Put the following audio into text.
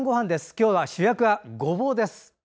今日は主役はごぼうです。